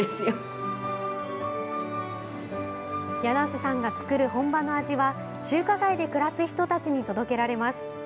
梁瀬さんが作る本場の味は中華街で暮らす人たちに届けられます。